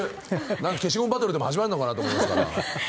なんか消しゴムバトルでも始まるのかなと思いますから。